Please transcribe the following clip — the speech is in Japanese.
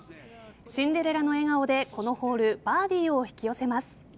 シンデレラの笑顔でこのホールバーディーを引き寄せます。